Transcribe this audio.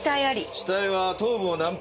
死体は頭部を南方にし。